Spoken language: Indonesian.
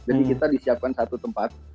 jadi kita disiapkan satu tempat